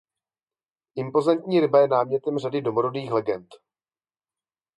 Impozantní ryba je námětem řady domorodých legend.